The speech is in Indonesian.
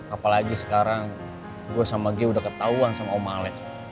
apalagi sekarang gue sama gio udah ketauan sama om alef